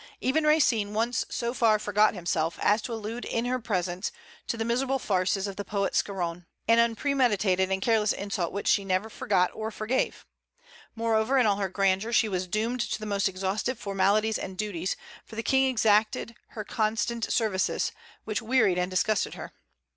Even Racine once so far forgot himself as to allude in her presence to the miserable farces of the poet Scarron, an unpremeditated and careless insult which she never forgot or forgave. Moreover, in all her grandeur she was doomed to the most exhaustive formalities and duties; for the King exacted her constant services, which wearied and disgusted her.